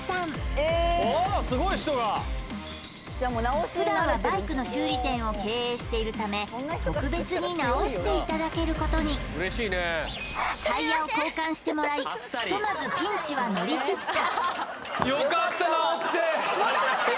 えーっああふだんはバイクの修理店を経営しているため特別に直していただけることにタイヤを交換してもらいひとまずピンチは乗り切った